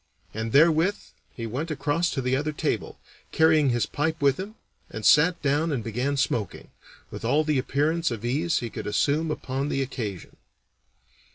And therewith he went across to the other table, carrying his pipe with him, and sat down and began smoking, with all the appearance of ease he could assume upon the occasion.